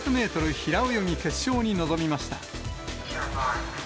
平泳ぎ決勝に臨みました。